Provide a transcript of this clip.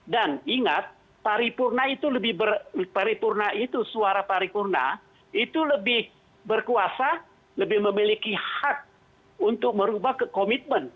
dan ingat suara paripurna itu lebih berkuasa lebih memiliki hak untuk merubah ke komitmen